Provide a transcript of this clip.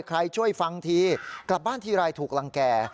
ใครช่วยฟังทีกลับบ้านทีไรถูกรังแก่